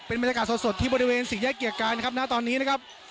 บรรยากาศสดที่บริเวณสี่แยกเกียรติกายนะครับณตอนนี้นะครับ